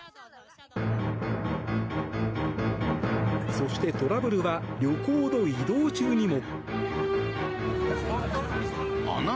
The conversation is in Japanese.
そして、トラブルは旅行の移動中にも。